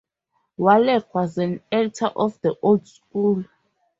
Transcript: Wallack was an actor of the old school.